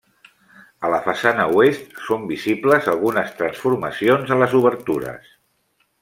A la façana oest són visibles algunes transformacions a les obertures.